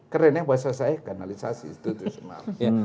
keren yang bahasa saya kanalisasi institusional